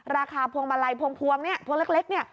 พวงมาลัยพวงพวงเนี่ยพวงเล็กเนี่ย